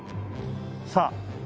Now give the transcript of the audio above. さあ。